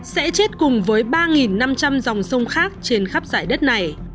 sẽ chết cùng với ba năm trăm linh dòng sông khác trên khắp giải đất này